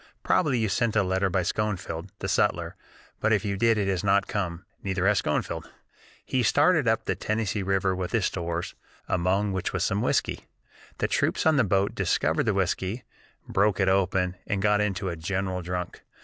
Probably you sent a letter by Schoenfield [the sutler], but if you did it has not come, neither has Schoenfield. He started up the Tennessee River with his stores, among which was some whiskey. The troops on the boat discovered the whiskey, broke it open, and got into a general drunk.